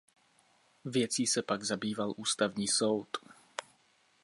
Věcí se pak zabýval Ústavní soud.